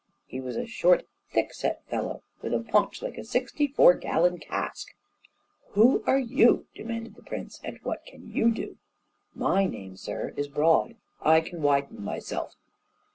He was a short, thick set fellow, with a paunch like a sixty four gallon cask. "Who are you?" demanded the prince, "and what can you do?" "My name, sir, is Broad; I can widen myself."